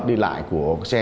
đi lại của xe